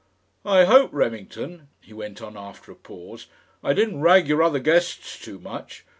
"I hope, Remington," he went on after a pause, "I didn't rag your other guests too much.